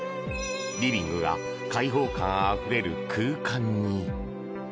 リビングが開放感あふれる空間に。